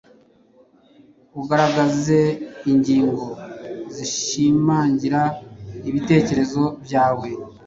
ugaragaze ingingo zishimangira ibitekerezo byawe.